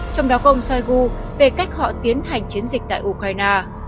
trong đó có ông shoigu về cách họ tiến hành chiến dịch tại ukraine